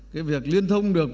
cái việc liên thông được